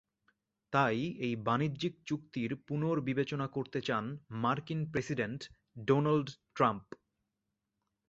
তাই এই বাণিজ্যিক চুক্তির পুনর্বিবেচনা করতে চান মার্কিন প্রেসিডেন্ট ডোনাল্ড ট্রাম্প।